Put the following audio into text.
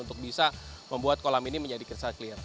kita bisa membuat kolam ini menjadi crystal clear